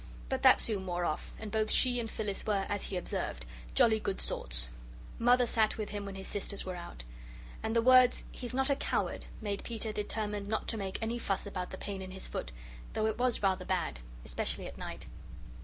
But that soon wore off, and both she and Phyllis were, as he observed, jolly good sorts. Mother sat with him when his sisters were out. And the words, "he's not a coward," made Peter determined not to make any fuss about the pain in his foot, though it was rather bad, especially at night.